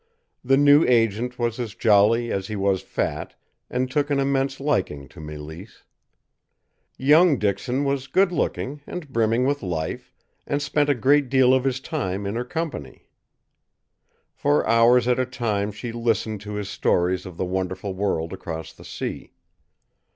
The new agent was as jolly as he was fat, and took an immense liking to Mélisse. Young Dixon was good looking and brimming with life, and spent a great deal of his time in her company. For hours at a time she listened to his stories of the wonderful world across the sea.